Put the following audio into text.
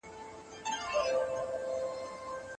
صدقه د بنده او خالق ترمنځ مینه زیاتوي.